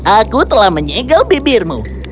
aku sudah menjaga bibirmu